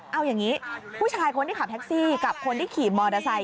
เอาอย่างนี้ผู้ชายคนที่ขับแท็กซี่กับคนที่ขี่มอเตอร์ไซค